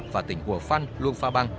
và tỉnh hùa phăn luông pha băng